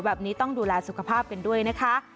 แบบนี้ต้องดูแลสุขภาพกันด้วยนะคะ